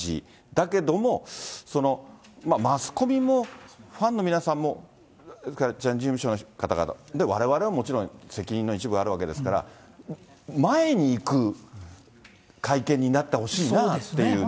だけども、そのマスコミもファンの皆さんも、それからジャニーズ事務所の方々、われわれはもちろん責任の一部あるわけですから、前に行く会見になってほしいなっていうね。